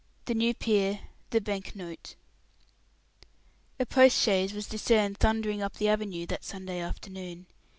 THE NEW PEER THE BANK NOTE A post chaise was discerned thundering up the avenue that Sunday afternoon.